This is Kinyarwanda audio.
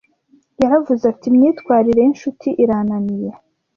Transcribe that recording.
Yaravuze ati imyitwarire y incuti irananiye